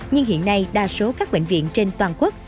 nhưng hiện nay đa số các bệnh viện trên toàn quốc